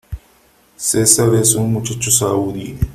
Cesar es un muchacho saudí.